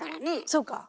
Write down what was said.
そうか。